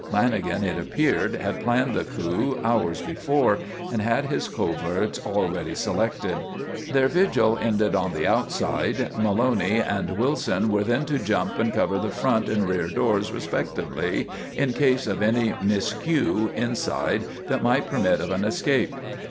Lanagan, it appeared, had planned the coup hours before and had his coverts already selected. Their vigil ended on the outside, Maloney and Wilson were then to jump and cover the front and rear doors, respectively, in case of any miscue inside that might permit of an escape.